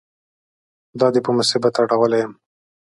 دا دې په مصیبت اړولی یم.